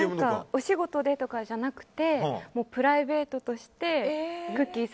お仕事でとかじゃなくてプライベートとしてくっきー！